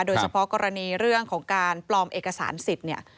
โดยเฉพาะกรณีเรื่องของการปลอมเอกสารสิทธิ์เนี่ย